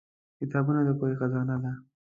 کتابونه د پوهې خزانه ده.